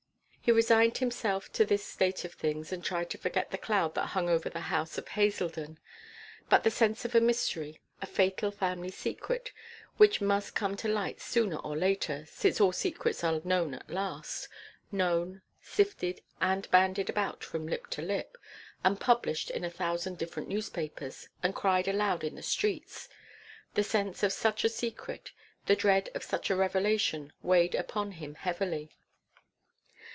He resigned himself to this state of things, and tried to forget the cloud that hung over the house of Haselden; but the sense of a mystery, a fatal family secret, which must come to light sooner or later since all such secrets are known at last known, sifted, and bandied about from lip to lip, and published in a thousand different newspapers, and cried aloud in the streets the sense of such a secret, the dread of such a revelation weighed upon him heavily.